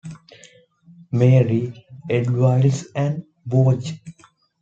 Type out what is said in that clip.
Marie, Edelweiss, and Vorlage.